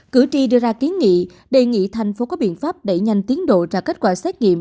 cử tri đưa ra kiến nghị đề nghị thành phố có biện pháp đẩy nhanh tiến độ trả kết quả xét nghiệm